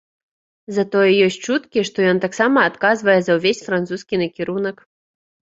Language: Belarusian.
Затое ёсць чуткі, што ён таксама адказвае за ўвесь французскі накірунак.